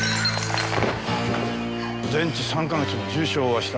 全治３か月の重傷を負わせた。